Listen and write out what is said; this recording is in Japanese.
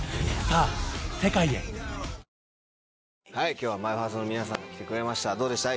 今日はマイファスの皆さんが来てくれましたどうでした？